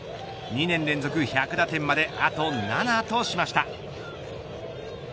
２年連続１００打点まであと７としました。